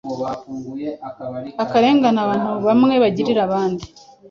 akarengane abantu bamwe bagirira abandi.